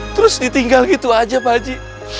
terus ditinggal gitu aja pak haji